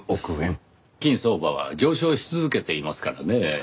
金相場は上昇し続けていますからねぇ。